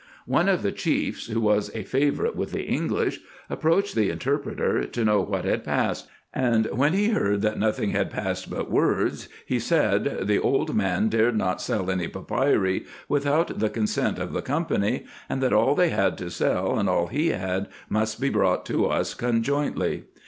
One of the chiefs, who was a fa vourite with the English, approached the interpreter, to know what had passed ; and when he heard that nothing had passed but words, he said, the old man dared not sell any papyri without the con sent of the company, and that all they had to sell, and all he had, must be brought to us conjointly.